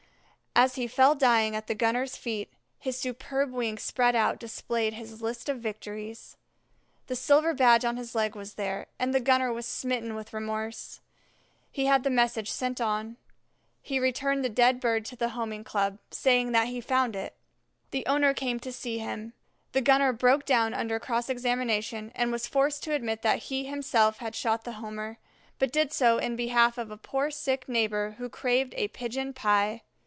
As he fell dying at the gunner's feet, his superb wings spread out displayed his list of victories. The silver badge on his leg was there, and the gunner was smitten with remorse. He had the message sent on; he returned the dead bird to the Homing Club, saying that he "found it." The owner came to see him; the gunner broke down under cross examination, and was forced to admit that he himself had shot the Homer, but did so in behalf of a poor sick neighbor who craved a pigeon pie.